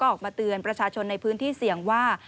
ออกมาเตือนประชาชนในพื้นที่เสี่ยงว่า